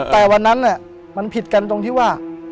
แต่วันนั้นมันผิดกันตรงที่ว่า